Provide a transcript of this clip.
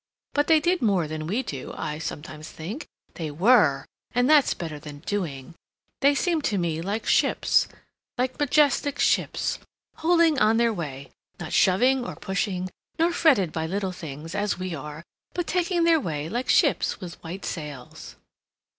But they did more than we do, I sometimes think. They WERE, and that's better than doing. They seem to me like ships, like majestic ships, holding on their way, not shoving or pushing, not fretted by little things, as we are, but taking their way, like ships with white sails."